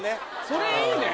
それいいね。